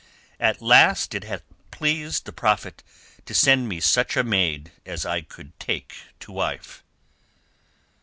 At last it hath pleased the Prophet to send me such a maid as I could take to wife."